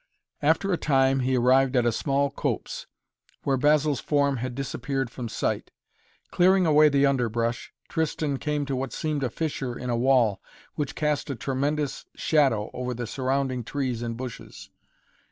After a time he arrived at a small copse, where Basil's form had disappeared from sight. Clearing away the underbrush, Tristan came to what seemed a fissure in a wall, which cast a tremendous shadow over the surrounding trees and bushes.